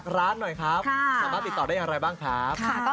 ร้านหน่อยครับสามารถติดต่อได้อย่างไรบ้างครับ